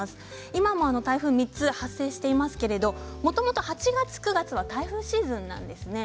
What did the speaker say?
今も台風が３つ発生してますけれどももともと８月、９月は台風シーズンなんですね。